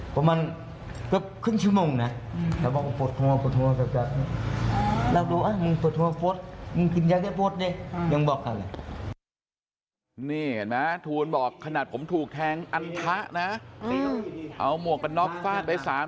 เพราะมันก็ครึ่งชั่วโมงนะ